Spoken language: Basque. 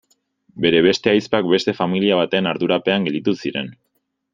Bere beste ahizpak beste familia baten ardurapean gelditu ziren.